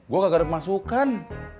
gue kagak ada pemasukan